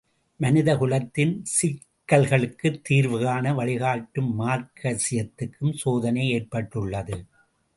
மனித குலத்தின் சிக்கல்களுக்குத் தீர்வுகாண வழிகாட்டும் மார்க்சியத்துக்கும் சோதனை ஏற்பட்டுள்ளது.